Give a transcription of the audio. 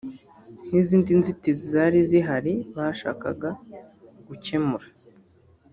n’izindi nzitizi zari zihari bashakaga gukemura